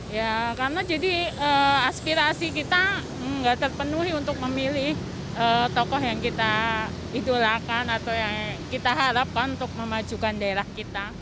ya karena jadi aspirasi kita nggak terpenuhi untuk memilih tokoh yang kita idolakan atau yang kita harapkan untuk memajukan daerah kita